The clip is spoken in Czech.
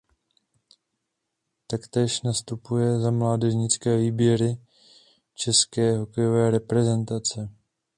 Taktéž nastupuje za mládežnické výběry české hokejové reprezentace.